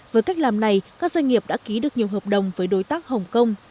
với cách làm này các doanh nghiệp đã ký được nhiều hợp đồng với đối tác hồng kông